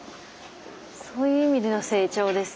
そういう意味での成長ですね。